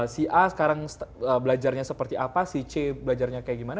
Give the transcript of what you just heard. si a sekarang belajarnya seperti apa si c belajarnya kayak gimana